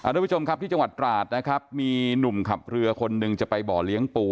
ทุกผู้ชมที่จังหวัดตราดมีหนุ่มขับเรือคนหนึ่งไปบ่อเลี้ยงปู